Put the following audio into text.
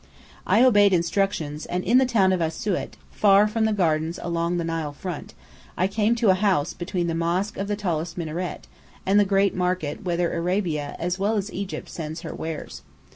I obeyed instructions, and in the town of Asiut, far from the gardens along the Nile front, I came to a house between the mosque of the tallest minaret, and the great market whither Arabia as well as Egypt sends her wares.